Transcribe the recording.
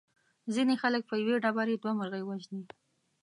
ځینې خلک په یوې ډبرې دوه مرغۍ وژني.